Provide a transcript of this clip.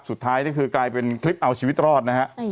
สุดท้ายที่กลายเป็นคลิปเอาชีวิตรอดนะครับ